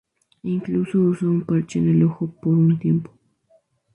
Incluso usó un parche en el ojo por un tiempo.